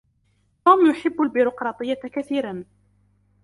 توم يحب البيروقراطية كثيرا.